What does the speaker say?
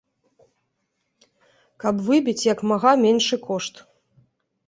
Каб выбіць як мага меншы кошт.